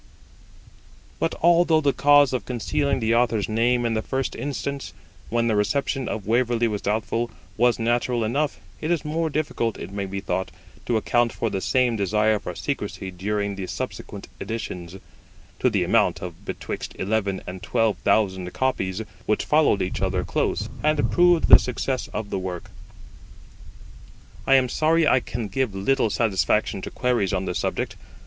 But although the cause of concealing the Author's name in the first instance, when the reception of Waverley was doubtful, was natural enough, it is more difficult, it may be thought, to account for the same desire for secrecy during the subsequent editions, to the amount of betwixt eleven and twelve thousand copies, which followed each other close, and proved the success of the work. I am sorry I can give little satisfaction to queries on this subject.